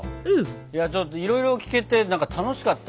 いやちょっといろいろ聞けてなんか楽しかった。